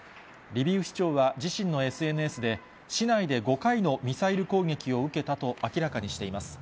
リビウ市長は自身のＳＮＳで、市内で５回のミサイル攻撃を受けたと明らかにしています。